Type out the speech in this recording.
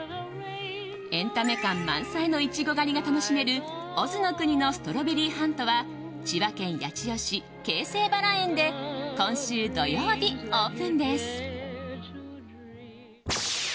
エンタメ感満載のイチゴ狩りが楽しめるオズの国のストロベリーハントは千葉県八千代市、京成バラ園で今週土曜日オープンです。